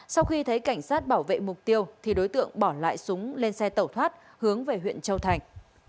sau khi thấy cảnh sát bảo vệ mục tiêu thì đối tượng bỏ lại súng lên xe tẩu thoát hướng về huyện châu thành